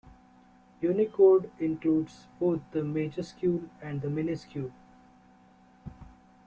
Unicode includes both the majuscule and the minuscule.